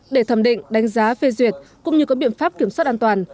để thẩm định đánh giá phê duyệt cũng như có biện pháp kiểm soát an toàn